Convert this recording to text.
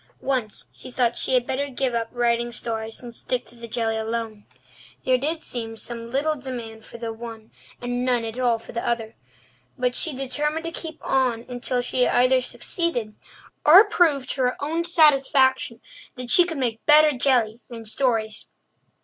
Once she thought she had better give up writing stories and stick to the jelly alone. There did seem some little demand for the one and none at all for the other. But she determined to keep on until she either succeeded or proved to her own satisfaction that she could make better jelly than stories.